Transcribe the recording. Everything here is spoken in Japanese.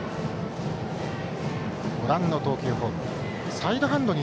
ご覧の投球フォーム。